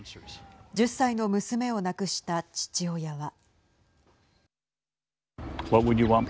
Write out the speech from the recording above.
１０歳の娘を亡くした父親は。